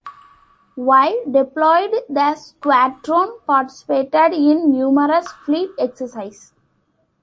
While deployed the squadron participated in numerous fleet exercises.